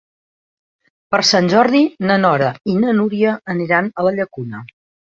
Per Sant Jordi na Nora i na Núria aniran a la Llacuna.